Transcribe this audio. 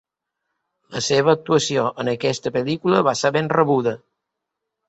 La seva actuació en aquesta pel·lícula va ser ben rebuda.